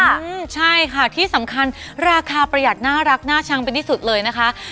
อืมใช่ค่ะที่สำคัญราคาประหยัดน่ารักน่าชังเป็นที่สุดเลยนะคะ